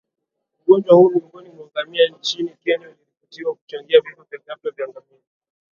ugonjwa huu miongoni mwa ngamia nchini Kenya uliripotiwa kuchangia vifo vya ghafla vya ngamia